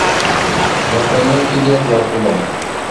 Nakw ana kige kəla gula.